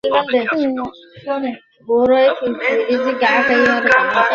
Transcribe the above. সে কি কেবলমাত্র নিজের মত প্রকাশ করিবারই আনন্দ?